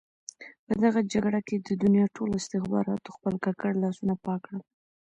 په دغه جګړه کې د دنیا ټولو استخباراتو خپل ککړ لاسونه پاک کړل.